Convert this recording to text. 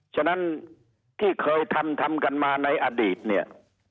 ฉะนั้นที่เคยทำทำกันมาในอดีตเนี่ย